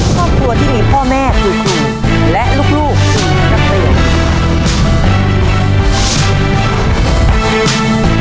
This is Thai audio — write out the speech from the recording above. ครอบครัวที่มีพ่อแม่คือครูและลูกคือนักเรียน